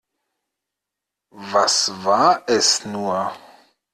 Was war es nur?